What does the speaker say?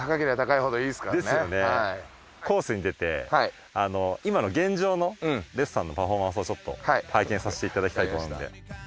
コースに出て今の現状のＲＥＤさんのパフォーマンスをちょっと拝見させていただきたいと思うので。